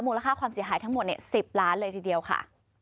ค่าความเสียหายทั้งหมด๑๐ล้านเลยทีเดียวค่ะ